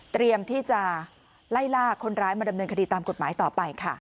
เตรียมที่จะไล่ล่าคนร้ายมาดำเนินคดีตามกฎหมายต่อไปค่ะ